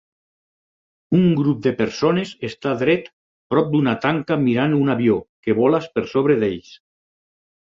Un grup de persones està dret prop d'una tanca mirant un avió que vola per sobre d'ells